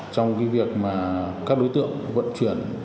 trong việc các đối tượng vận chuyển